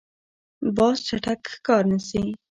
باز چټک ښکار نیسي.